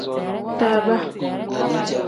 Daaba.